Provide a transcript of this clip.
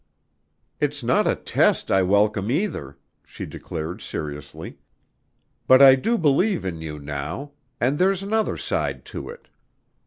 "It's not a test I welcome either," she declared seriously. "But I do believe in you now and there's another side to it."